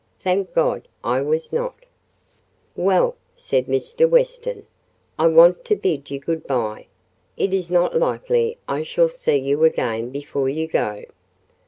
Thank God, I was not. "Well," said Mr. Weston, "I want to bid you good bye—it is not likely I shall see you again before you go."